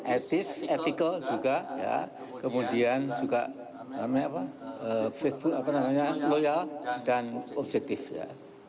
etis etikal juga ya kemudian juga namanya facebook apa namanya loyal dan objektif ya